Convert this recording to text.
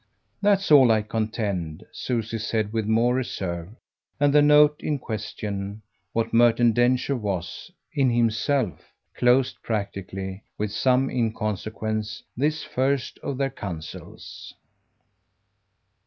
"That's all I contend," Susie said with more reserve; and the note in question what Merton Densher was "in himself" closed practically, with some inconsequence, this first of their councils.